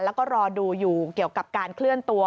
แล้วก็รอดูอยู่เกี่ยวกับการเคลื่อนตัว